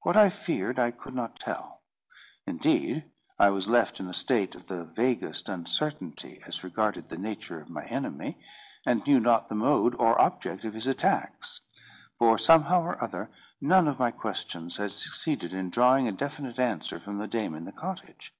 What I feared I could not tell. Indeed, I was left in a state of the vaguest uncertainty as regarded the nature of my enemy, and knew not the mode or object of his attacks; for, somehow or other, none of my questions had succeeded in drawing a definite answer from the dame in the cottage.